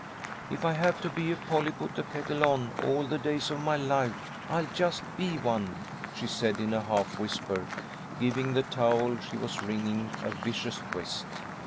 "If I have to be a Polly put the kettle on all the days of my life, I'll just be one," she said, in a half whisper, giving the towel she was wringing a vicious twist.